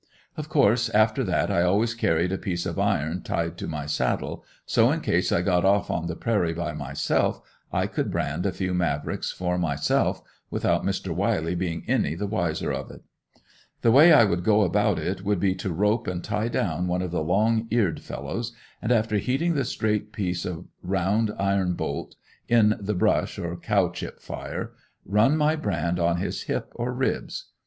Of course after that I always carried a piece of iron tied to my saddle so in case I got off on the prairie by myself I could brand a few Mavricks for myself, without Mr. Wiley being any the wiser of it. The way I would go about it would be to rope and tie down one of the long eared fellows and after heating the straight piece of round, iron bolt, in the brush or "cow chip" fire, "run" my brand on his hip or ribs.